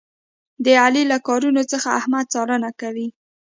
د علي له کارونو څخه احمد څارنه کوي.